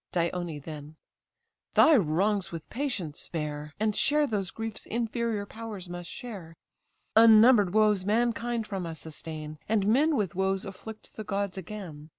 Dione then: "Thy wrongs with patience bear, And share those griefs inferior powers must share: Unnumber'd woes mankind from us sustain, And men with woes afflict the gods again.